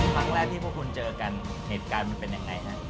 ครั้งแรกที่พวกคุณเจอกันเหตุการณ์มันเป็นยังไงฮะ